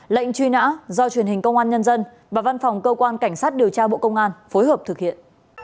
lệnh truy nã do truyền hình công an nhân dân và văn phòng cơ quan cảnh sát điều tra bộ công an phối hợp thực hiện